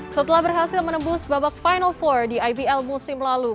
setelah berhasil menembus babak final empat di ibl musim lalu